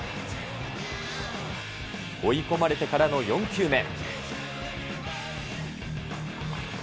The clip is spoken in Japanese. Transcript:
追い込まれてからの４球目。